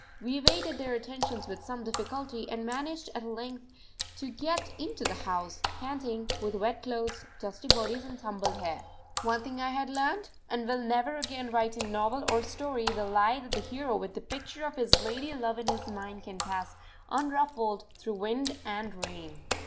We evaded their attentions with some difficulty and managed at length to get into the house, panting, with wet clothes, dusty bodies, and tumbled hair. One thing I had learnt; and will never again write in novel or story the lie that the hero with the picture of his lady love in his mind can pass unruffled through wind and rain.